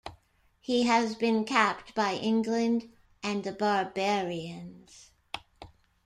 He has been capped by England and the Barbarians.